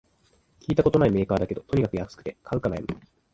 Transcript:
聞いたことないメーカーだけど、とにかく安くて買うか悩む